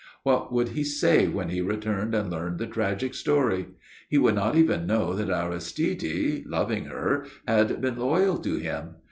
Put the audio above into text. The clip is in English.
What would he say when he returned and learned the tragic story? He would not even know that Aristide, loving her, had been loyal to him.